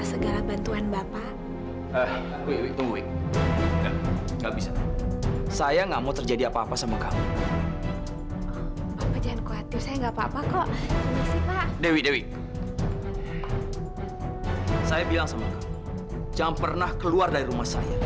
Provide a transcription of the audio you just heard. enggak sayang kamu enggak mimpi mama sendiri